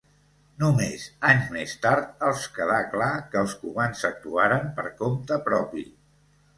Només anys més tard els quedà clar que els cubans actuaren per compte propi.